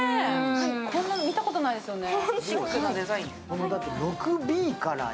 こんなの見たことないですよね。